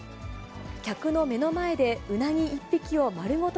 客の目の前で、うなぎ１匹を丸ごと